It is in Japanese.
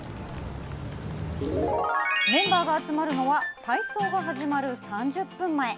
メンバーが集まるのは体操が始まる３０分前。